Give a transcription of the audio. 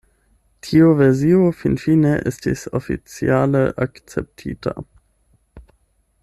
Tiu versio finfine estis oficiale akceptita.